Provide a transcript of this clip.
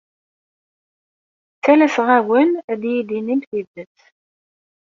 Ttalaseɣ-awen ad iyi-d-tinim tidet.